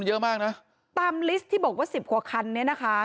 คือตามลิสต์ที่บอกว่า๑๐กว่าคันเนี่ยนะคะ